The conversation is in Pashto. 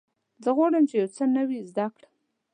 زه غواړم چې یو څه نوی زده کړم.